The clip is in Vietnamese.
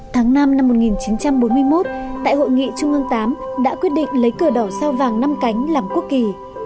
tháng năm năm một nghìn chín trăm bốn mươi một tại hội nghị trung ương viii đã quyết định lấy cờ đỏ sao vàng năm cánh làm quốc kỳ